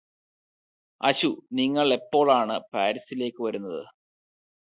അശു നിങ്ങളെപ്പോളാണ് പാരിസിലേക്ക് വരുന്നത്